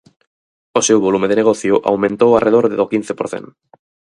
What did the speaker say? O seu volume de negocio aumentou arredor do quince por cen